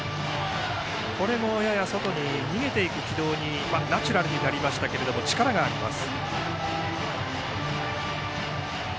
やや外に逃げていく軌道にナチュラルになりましたけれど力があります。